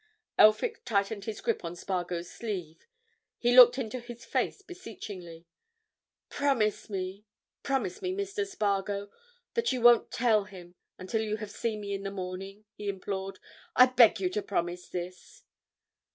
Elphick tightened his grip on Spargo's sleeve. He looked into his face beseechingly. "Promise me—promise me, Mr. Spargo, that you won't tell him until you have seen me in the morning!" he implored. "I beg you to promise me this."